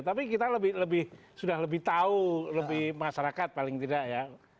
tapi kita sudah lebih tahu lebih masyarakat paling tidak ya